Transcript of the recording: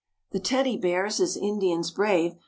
The Teddy Bears, as Indians brave.